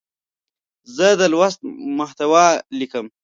زه د لوست محتوا لیکم.